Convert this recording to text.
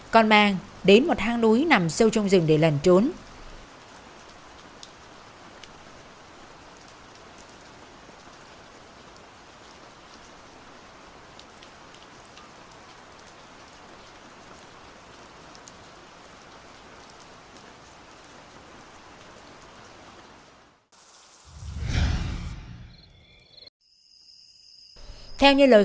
con màng đến một hang núi nằm sâu trong rừng để lần trốn